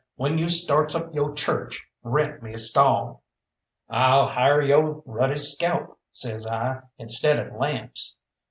When you starts up yo' church, rent me a stall!" "I'll hire yo' ruddy scalp," says I, "instead of lamps.